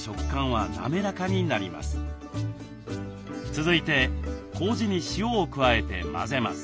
続いてこうじに塩を加えて混ぜます。